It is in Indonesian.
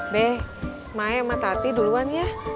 be emak tati duluan ya